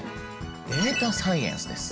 「データサイエンス」です。